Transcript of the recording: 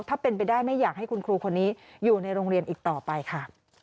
ถ้าเป็นไปได้ไม่อยากให้คุณครูคนนี้อยู่ในโรงเรียนอีกต่อไปค่ะ